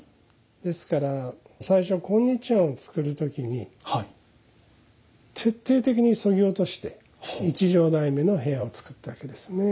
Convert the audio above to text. ですから最初今日庵を作る時に徹底的にそぎ落として一畳台目の部屋を作ったわけですね。